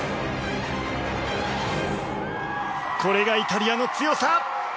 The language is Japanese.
これがイタリアの強さ。